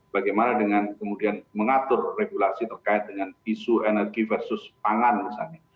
bagaimana dengan kemudian mengatur regulasi terkait dengan isu energi versus pangan misalnya